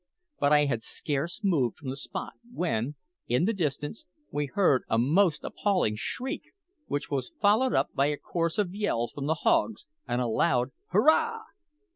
But I had scarce moved from the spot when, in the distance, we heard a most appalling shriek, which was followed up by a chorus of yells from the hogs, and a loud hurrah.